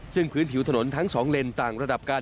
ซึ่งพื้นผิวถนนทั้งสองเลนต่างระดับการ